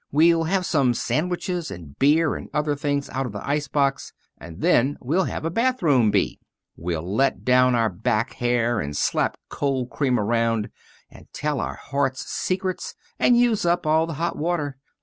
We'll have some sandwiches and beer and other things out of the ice box, and then we'll have a bathroom bee. We'll let down our back hair, and slap cold cream around, and tell our hearts' secrets and use up all the hot water.